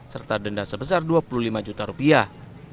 serta denda sebesar dua puluh lima juta rupiah